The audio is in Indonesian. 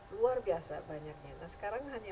luar biasa banyaknya nah sekarang hanya